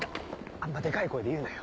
あんまデカい声で言うなよ。